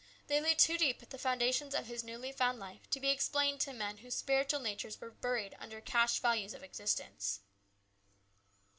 They lay too deep at the foundations of his newly found life to be explained to men whose spiritual natures were buried under cash values of existence.